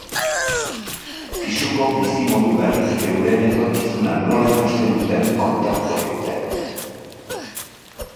Pisuko bizimodu berritik euren etorkizuna nola ikusten duten kontatuko digute.